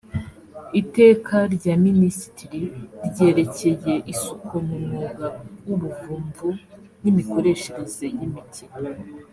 iteka rya minisitiri ryerekeye isuku mu mwuga w ubuvumvu n imikoreshereze y imiti